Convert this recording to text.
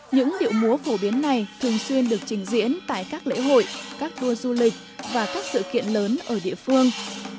những điệu múa phổ biến này thường xuyên được trình diễn tại các lễ hội các tour du lịch và các sự kiện lớn ở địa phương